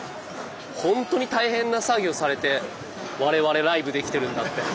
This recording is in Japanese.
ほんとに大変な作業されて我々ライブできてるんだって。